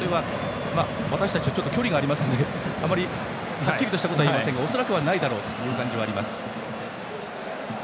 私たちからはちょっと距離がありますのではっきりとしたことは言えませんが恐らくはないだろうという感じはあります。